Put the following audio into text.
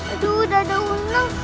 aduh dada unung